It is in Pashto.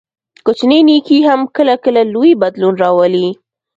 کوچنی نیکي هم کله کله لوی بدلون راولي.